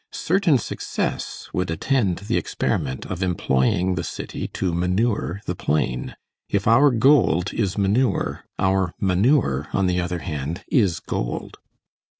Certain success would attend the experiment of employing the city to manure the plain. If our gold is manure, our manure, on the other hand, is gold.